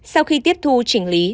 sau khi tiếp thu chỉnh lý